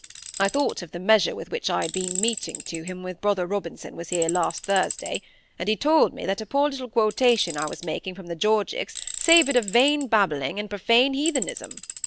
I thought of the measure with which I had been meting to him when Brother Robinson was here last Thursday, and told me that a poor little quotation I was making from the Georgics savoured of vain babbling and profane heathenism.